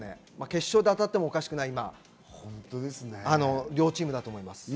決勝で当たってもおかしくない両チームだと思います。